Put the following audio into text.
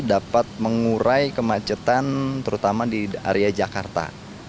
dapat mengurai kemacetan terutama di area jakarta